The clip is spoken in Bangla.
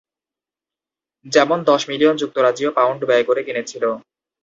যেমন: দশ মিলিয়ন যুক্তরাজ্যীয় পাউন্ড ব্যায় করে কিনেছিল।